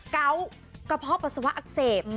เกาะกระเพาะปัสสาวะอักเสบ